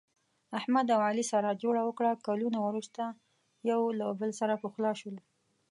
احمد او علي سره جوړه وکړه، کلونه ورسته یو له بل سره پخلا شول.